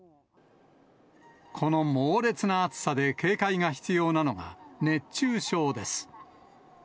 この猛烈な暑さで警戒が必要なのが、熱中症です。